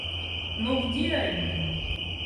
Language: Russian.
Но где они?